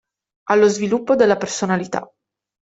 Allo sviluppo della personalità.